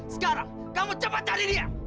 sekarang kamu coba cari dia